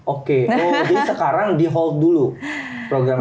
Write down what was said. oke oh jadi sekarang di hold dulu program s dua nya